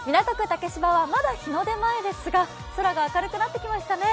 竹芝はまだ日の出前ですが空が明るくなってきましたね。